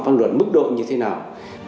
pháp luật mức độ như thế nào